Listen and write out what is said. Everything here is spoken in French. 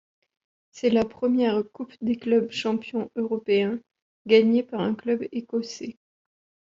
C'est la première Coupe des clubs champions européens gagnée par un club écossais.